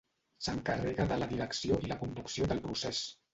S'encarrega de la direcció i la conducció del procés.